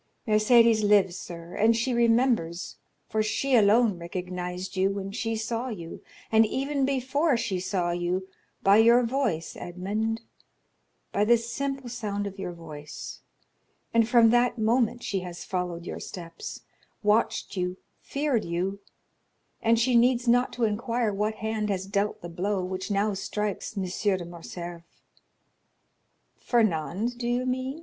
"Mercédès lives, sir, and she remembers, for she alone recognized you when she saw you, and even before she saw you, by your voice, Edmond,—by the simple sound of your voice; and from that moment she has followed your steps, watched you, feared you, and she needs not to inquire what hand has dealt the blow which now strikes M. de Morcerf." "Fernand, do you mean?"